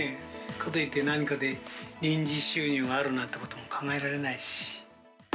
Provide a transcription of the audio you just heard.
かといって、何かで臨時収入があるなんてことも考えられないし。